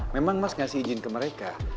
memang mas ngasih izin ke mereka